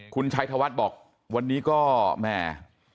คุณชัยธวัฒน์บอกวันนี้ก็แหม